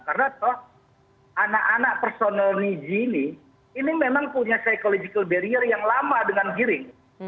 karena toh anak anak personal niji ini ini memang punya psychological barrier yang lama dengan giring